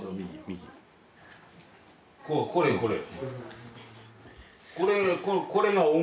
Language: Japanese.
これこれ。